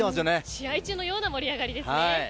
試合中のような盛り上がりですね。